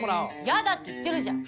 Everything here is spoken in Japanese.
やだって言ってるじゃん。